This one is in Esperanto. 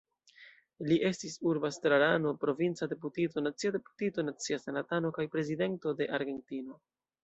Li estis urba estrarano, provinca deputito, nacia deputito, nacia senatano kaj Prezidento de Argentino.